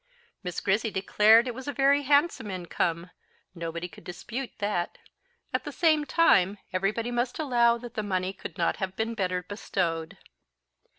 Miss Grizzy declared it was a very handsome income, nobody could dispute that; at the same time, everybody must allow that the money could not have been better bestowed.